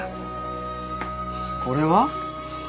これは？